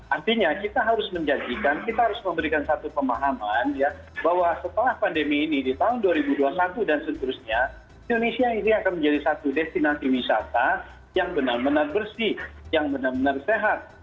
artinya kita harus menjanjikan kita harus memberikan satu pemahaman ya bahwa setelah pandemi ini di tahun dua ribu dua puluh satu dan seterusnya indonesia ini akan menjadi satu destinasi wisata yang benar benar bersih yang benar benar sehat